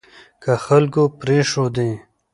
که خلکو پرېښودې